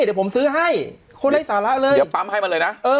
เดี๋ยวผมซื้อให้คนไร้สาระเลยเดี๋ยวปั๊มให้มันเลยนะ